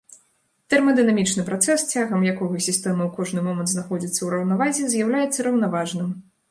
Тэрмадынамічны працэс, цягам якога сістэма ў кожны момант знаходзіцца ў раўнавазе, з'яўляецца раўнаважным.